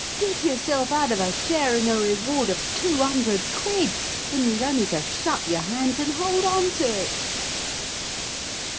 Did yourself out of a share in a reward of two hundred quid when you'd only to shut your hands and hold on to it!"